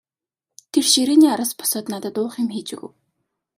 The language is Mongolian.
Тэр ширээний араас босоод надад уух юм хийж өгөв.